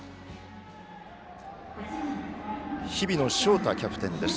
日比野翔太キャプテンです。